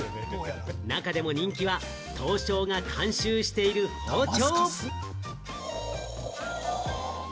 中でも人気は刀匠が監修している包丁。